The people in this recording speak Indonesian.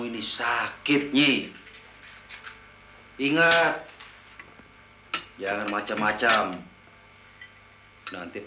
anak si ikang cucu usahaku